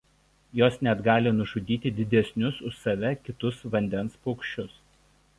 Jos net gali nužudyti didesnius už save kitus vandens paukščius.